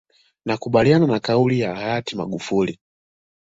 Nakubaliana na kauli ya hayati Magufuli